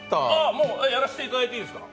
もうやらせていただいていいですか。